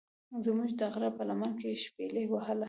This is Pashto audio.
زمرې دغره په لمن کې شپیلۍ وهله